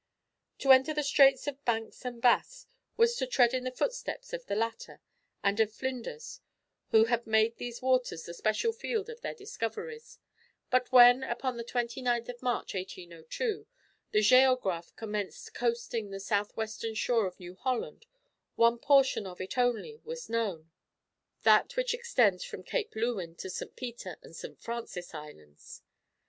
To enter the straits of Banks and Bass was to tread in the footsteps of the latter, and of Flinders, who had made these waters the special field of their discoveries; but when, upon the 29th of March, 1802, the Géographe commenced coasting the south western shore of New Holland, one portion of it only was known that which extends from Cape Leuwin to St. Peter and St. Francis Islands.